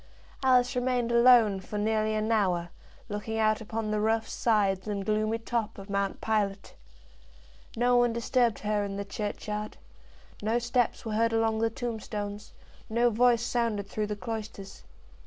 Alice remained alone for nearly an hour, looking out upon the rough sides and gloomy top of Mount Pilate. No one disturbed her in the churchyard, no steps were heard along the tombstones, no voice sounded through the cloisters.